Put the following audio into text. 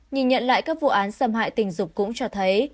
nhìn nhận lại các vụ án xâm hại tình dục cũng cho thấy